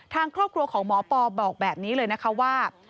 ทางครอบครัวของหมอปอบอกแบบนี้เลยนะคะว่า